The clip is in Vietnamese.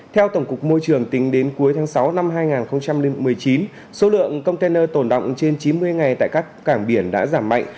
theo tổng cục môi trường tính đến cuối tháng sáu năm hai nghìn một mươi chín số lượng container tồn động trên chín mươi ngày tại các cảng biển đã giảm mạnh